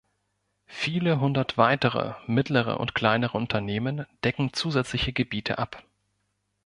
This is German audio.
Viele hundert weitere, mittlere und kleinere Unternehmen decken zusätzliche Gebiete ab.